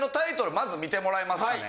まず見てもらいますかね。